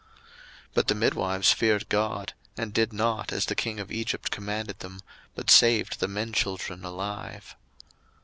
02:001:017 But the midwives feared God, and did not as the king of Egypt commanded them, but saved the men children alive.